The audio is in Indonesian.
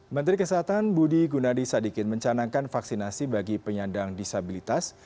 menteri kesehatan budi gunadi sadikin mencanangkan vaksinasi bagi penyandang disabilitas